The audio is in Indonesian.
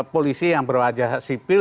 polisi yang berwajah sipil